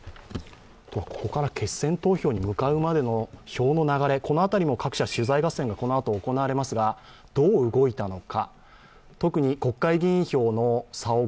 ここから決選投票に向かうまでの票の流れ、この辺りも各社取材合戦がこのあと行われますがどう動いたのか。